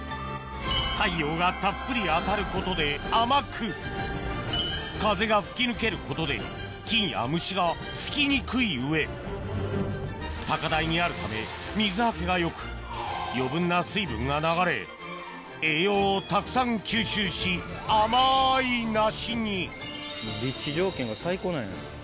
太陽がたっぷり当たることで甘く風が吹き抜けることで菌や虫がつきにくい上高台にあるため水はけがよく余分な水分が流れ栄養をたくさん吸収し甘い梨に立地条件が最高なんや。